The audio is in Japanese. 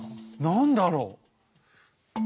何だろう？